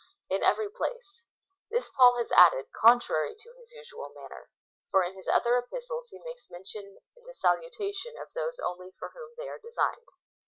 In every place. This Paul has added, contrary to his usual manner; for in his other Epistles he makes mention in the salutation of those only for whom they are designed.